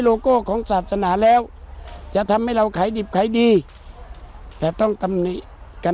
โก้ของศาสนาแล้วจะทำให้เราขายดิบขายดีแต่ต้องตำหนิกัน